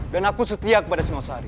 dan aku setia kepada singwasari